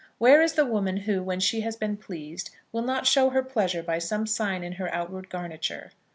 Where is the woman who, when she has been pleased, will not show her pleasure by some sign in her outward garniture?